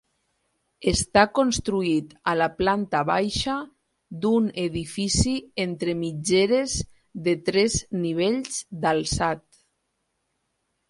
Està construït a la planta baixa d'un edifici entre mitgeres de tres nivells d'alçat.